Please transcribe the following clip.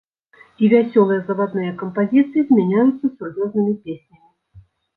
І вясёлыя завадныя кампазіцыі змяняюцца сур'ёзнымі песнямі.